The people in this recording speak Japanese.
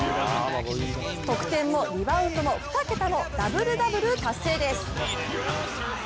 得点もリバウンドも２桁のダブルダブル達成です。